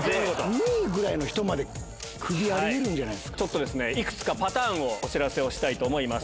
２位ぐらいの人までクビありちょっとですね、いくつかパターンをお知らせをしたいと思います。